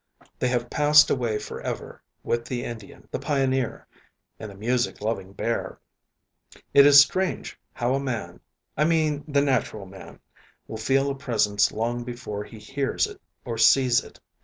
They have passed away forever with the Indian, the pioneer, and the music loving bear. It is strange how a man I mean the natural man will feel a presence long before he hears it or sees it.